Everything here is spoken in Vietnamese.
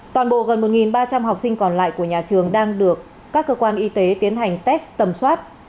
toàn bộ gần một ba trăm linh học sinh còn lại của nhà trường đang được các cơ quan y tế tiến hành test tầm soát